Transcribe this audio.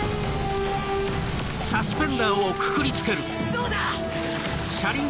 どうだ